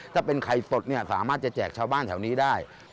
ถ้าเป็นไข่สดเนี่ยสามารถจะแจกชาวบ้านแถวนี้ได้